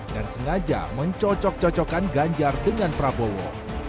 dan sengaja mencocok cocokkan ganjar dengan prabowo